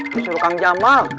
disuruh kang jamal